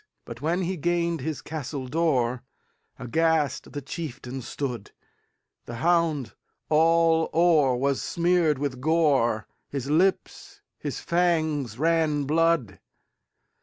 But, when he gained his castle door, Aghast the chieftain stood; The hound all o'er was smeared with gore, His lips, his fangs, ran blood.